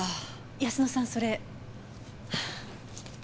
泰乃さんそれ？